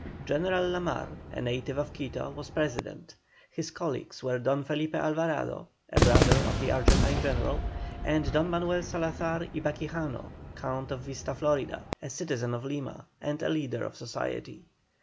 General La Mar, a native of Quito, was President; his colleagues were Don Felipe Alvarado, a brother of the Argentine General, and Don Manuel Salazar y Baquijano, Count of Vista Florida, a citizen of Lima, and a leader of society.